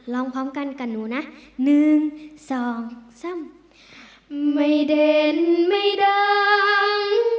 ร้องพร้อมกันกับหนูนะหนึ่งสองสามไม่เด่นไม่ดัง